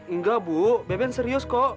enggak bu beben serius kok